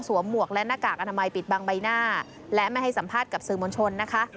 หมวกและหน้ากากอนามัยปิดบังใบหน้าและไม่ให้สัมภาษณ์กับสื่อมวลชนนะคะ